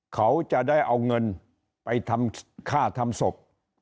เขาจะได้เอาเงินไปทำค่าทำศพ